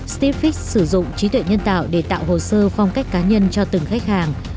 stephic sử dụng trí tuệ nhân tạo để tạo hồ sơ phong cách cá nhân cho từng khách hàng